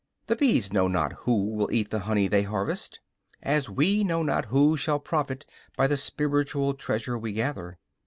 The bees know not who will eat the honey they harvest, as we know not who shall profit by the spiritual treasure we gather.